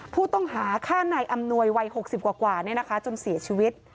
ผู้ต้องหาฆ่านายอำนวยวัย๖๐กว่าจนเสียชีวิต